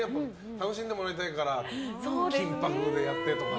楽しんでもらいたいから金箔でやって。